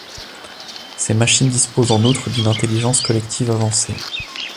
Ces machines disposent en outre d'une intelligence collective avancée.